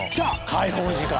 解放時間。